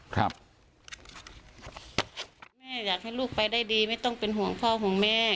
แม่อยากให้ลูกไปได้ดีไม่ต้องเป็นห่วงพ่อห่วงแม่